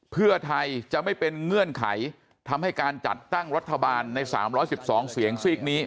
เพื่อไทยจะไม่เป็นเงื่อนไขทำให้การจัดตั้งรัฐบาลใน๓๑๒เสียงซีกนี้